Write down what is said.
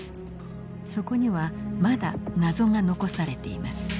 そこにはまだ謎が残されています。